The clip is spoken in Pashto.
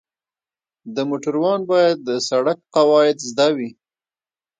د موټروان باید د سړک قواعد زده کړي.